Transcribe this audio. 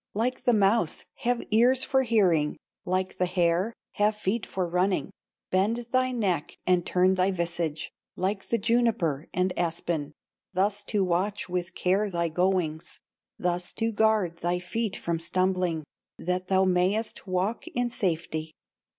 "Like the mouse, have ears for hearing, Like the hare, have feet for running, Bend thy neck and turn thy visage Like the juniper and aspen, Thus to watch with care thy goings, Thus to guard thy feet from stumbling, That thou mayest walk in safety.